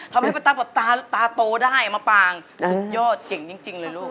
ทำให้ป้าตั๊กแบบตาโตได้มะปางสุดยอดเจ๋งจริงเลยลูก